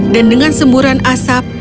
dan dengan semburan asap